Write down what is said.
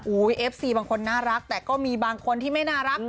เอฟซีบางคนน่ารักแต่ก็มีบางคนที่ไม่น่ารัก